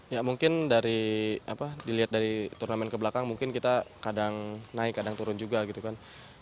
ya mungkin dari apa dilihat dari turnamen ke belakang mungkin kita kadang naik kadang turun juga gitu kan